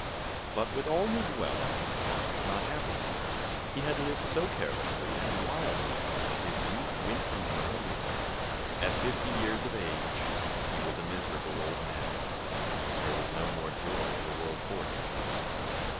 But, with all his wealth, Ponce was not happy. He had lived so carelessly and wildly that his youth went from him early. At fifty years of age he was a miserable old man. There was no more joy in the world for him.